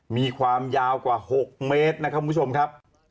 มีความยาวกว่า๖เมตรนะครับคุณผู้ชมครับ